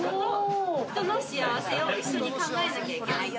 人の幸せを一緒に考えなきゃいけない。